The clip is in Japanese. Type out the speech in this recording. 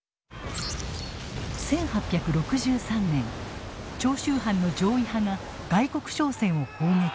１８６３年長州藩の攘夷派が外国商船を砲撃。